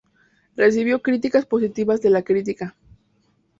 Recibió críticas positivas de la crítica.